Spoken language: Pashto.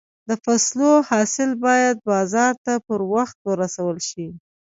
د فصلو حاصل باید بازار ته پر وخت ورسول شي.